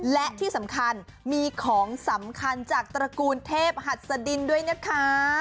และที่สำคัญมีของสำคัญจากตระกูลเทพหัสดินด้วยนะคะ